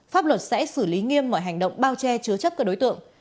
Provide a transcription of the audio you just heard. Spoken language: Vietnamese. pháp luật sẽ xử lý nghiêm mọi hành động bao che chứa chấp các đối tượng